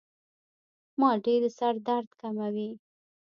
مالټې د سر درد کموي.